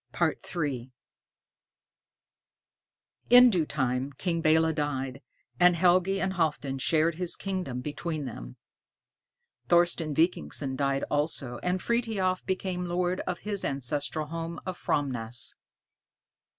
III In due time, King Belé died, and Helgi and Halfdan shared his kingdom between them. Thorsten Vikingsson died also, and Frithiof became lord of his ancestral home of Framnäs.